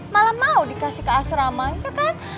malah mau dikasih ke asrama ya kan